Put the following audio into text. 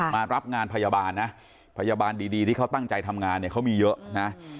มารับงานพยาบาลนะพยาบาลดีที่เขาตั้งใจทำงานเนี่ยเขามีเยอะนะ